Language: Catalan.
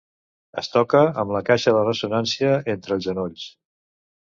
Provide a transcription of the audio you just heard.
Es toca amb la caixa de ressonància entre els genolls.